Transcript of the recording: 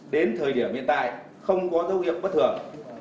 đến thời điểm hiện tại không có thấu hiệp bất thường